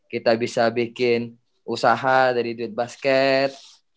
kita bisa bikin usaha dari duit basket